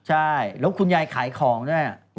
ใช่แล้วคุณยายขายของด้วย